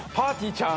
ちゃん